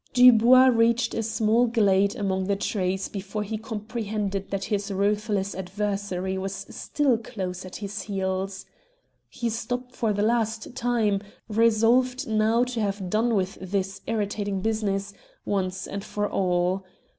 Dubois reached a small glade among the trees before he comprehended that his ruthless adversary was still close at his heels. He stopped for the last time, resolved now to have done with this irritating business, once and for all.